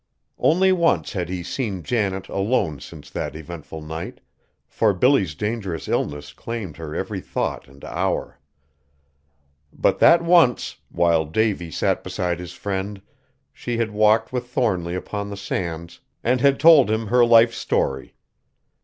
Only once had he seen Janet alone since that eventful night, for Billy's dangerous illness claimed her every thought and hour. But that once, while Davy sat beside his friend, she had walked with Thornly upon the sands and had told him her life story.